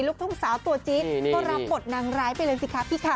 ทุกสาวตัวจิ๊กก็รับบทนางร้ายไปเลยสิครับพี่ค่ะ